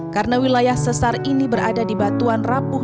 karena wilayah sesar ini berada di batuan rapuh